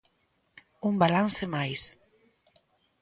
Un balance máis.